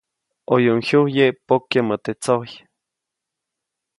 ʼOyuʼuŋ jyuyje pokyäʼmä teʼ tsojy.